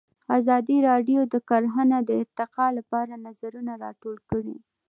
ازادي راډیو د کرهنه د ارتقا لپاره نظرونه راټول کړي.